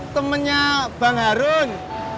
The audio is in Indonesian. temennya bang harun